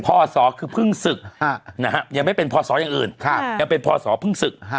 พศคือเพิ่งศึกยังไม่เป็นพศอย่างอื่นยังเป็นพศเพิ่งศึก